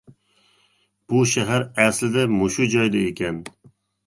بۇ شەھەر ئەسلىدە مۇشۇ جايدا ئىكەن!